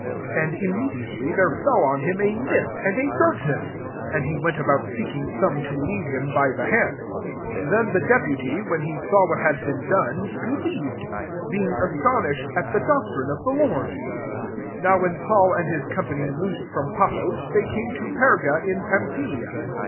And immediately there fell on him « mist and a dark ness : and he went about seek ing son>e to lead him by the hand. 12 Then the deputy, when he saw what had been done, believed ; being astonish ed at the doctrine of the Lord. 13 NOW when Paul and his company loosed from Paphos, they came to Per^ in Pamphy lia.